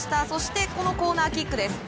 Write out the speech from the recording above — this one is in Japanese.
そしてコーナーキック。